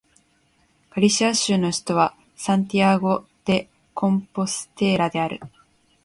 ガリシア州の州都はサンティアゴ・デ・コンポステーラである